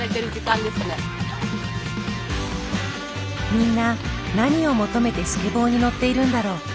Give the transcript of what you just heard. みんな何を求めてスケボーに乗っているんだろう。